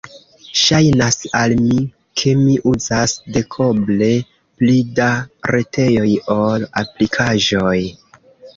Ŝajnas al mi, ke mi uzas dekoble pli da retejoj ol aplikaĵoj.